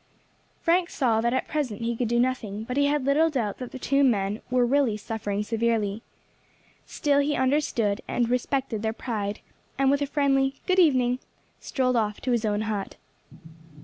Frank saw that at present he could do nothing; but he had little doubt that the two men were really suffering severely. Still he understood and respected their pride, and with a friendly "Good evening," strolled off to his own hut.